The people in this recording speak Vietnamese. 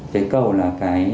phế cầu là cái